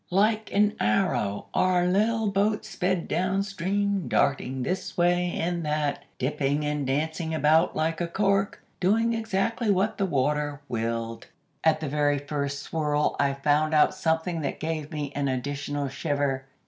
Like an arrow our little boat sped down stream, darting this way and that, dipping and dancing about like a cork, doing exactly what the water willed. "At the very first swirl I found out something that gave me an additional shiver.